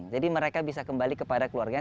jadi mereka bisa kembali kepada keluarganya